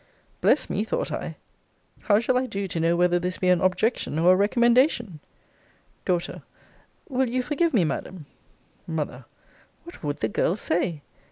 Bless me, thought I, how shall I do to know whether this be an objection or a recommendation! D. Will you forgive me, Madam? M. What would the girl say?